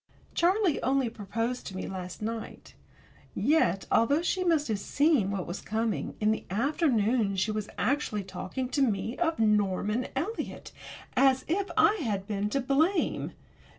Charlie only proposed to me last night, yet, although she must have seen what was coming, in the afternoon she was actually talking to me of Norman Eliot as if I had been to blame!